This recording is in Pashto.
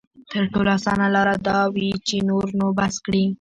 تر ټولو اسانه لاره دا وي چې نور نو بس کړي.